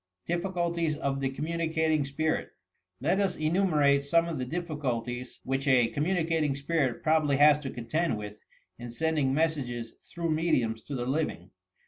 MPPICULTIES OF THE COMMtraiCATlNQ SPIRIT Let us enumerate some of the difficulties which a communicating spirit probably has to contend with, in sending messages through mediums to the living.